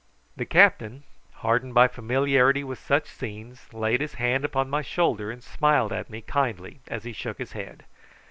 The captain, hardened by familiarity with such scenes, laid his hand upon my shoulder, and smiled at me kindly as he shook his head.